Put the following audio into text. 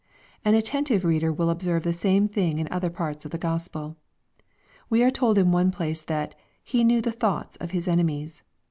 An attentive reader will observe the same thing in other parts of the Gospel. We are told in one place that " He knew the thoughts" of His enemies.